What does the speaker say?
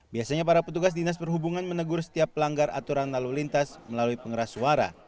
biasanya para petugas dinas perhubungan menegur setiap pelanggar aturan lalu lintas melalui pengeras suara